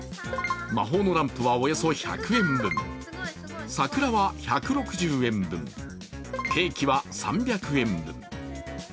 魔法のランプはおよそ１００円分、桜は１６０円分、ケーキは３００円分。